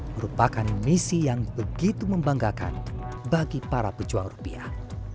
merupakan misi yang begitu membanggakan bagi para pejuang rupiah